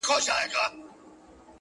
o ما یې د جلال او د جمال نښي لیدلي دي,